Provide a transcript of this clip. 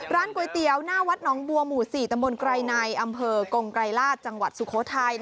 ร้านก๋วยเตี๋ยวหน้าวัดหนองบัวหมู่๔ตำบลไกรในอำเภอกงไกรราชจังหวัดสุโขทัย